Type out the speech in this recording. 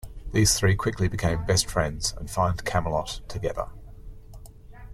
These three quickly become best friends and find Camelot together.